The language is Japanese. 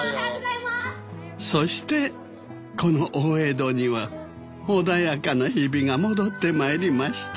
そしてこの大江戸には穏やかな日々が戻って参りました